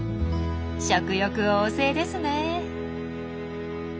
食欲旺盛ですね。